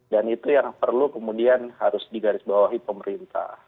dan itu yang perlu kemudian harus digarisbawahi pemerintah